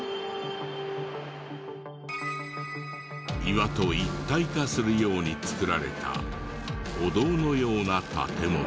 岩と一体化するように造られたお堂のような建物。